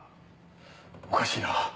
おかしいな。